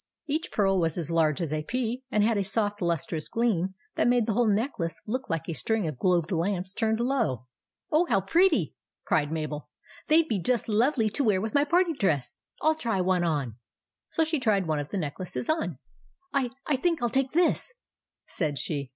Each pearl was as large as a pea, and had a soft lustrous gleam that made the whole necklace look like a string of globed lamps turned low. " Oh, how pretty !" cried Mabel. " They 'd be just lovely to wear with my party dress. I '11 try one on." So she tried one of the necklaces on. " I — I — think I '11 take this," said she.